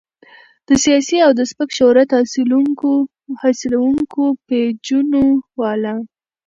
د سياسي او د سپک شهرت حاصلونکو پېجونو والا